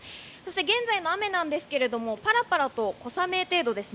現在の雨ですがパラパラと小雨程度です。